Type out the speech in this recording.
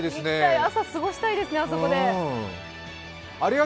朝、過ごしたいですねあそこで。